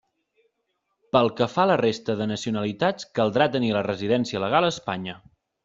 Pel que fa a la resta de nacionalitats caldrà tenir la residència legal a Espanya.